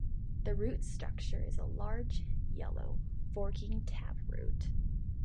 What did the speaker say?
The root-structure is a large, yellow, forking taproot.